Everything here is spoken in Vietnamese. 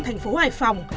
thành phố hải phòng